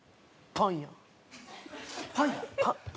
パン屋？